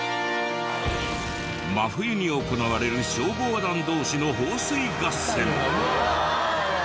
真冬に行われる消防団同士の放水合戦。